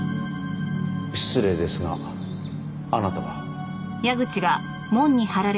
失礼ですがあなたは？